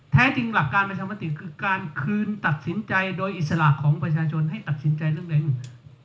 จริงหลักการประชามติคือการคืนตัดสินใจโดยอิสระของประชาชนให้ตัดสินใจเรื่องแรงอยู่